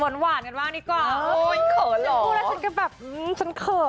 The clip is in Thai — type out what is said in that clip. เราแบบหวานกันบ้างก็